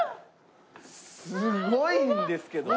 すごいんですけど。